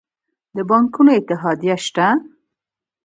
د بانکونو اتحادیه شته؟